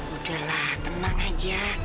udah lah tenang aja